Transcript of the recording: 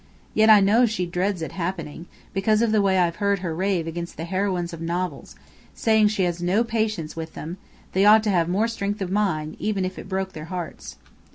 Yet I know she dreads it happening, because of the way I've heard her rave against the heroines of novels, saying she has no patience with them; they ought to have more strength of mind, even if it broke their hearts."